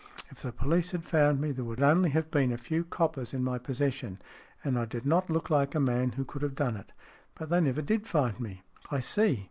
If the police had found me, there would only have been a few coppers in my possession, and I did not look like a man who could have done it. But they never did find me." " I see.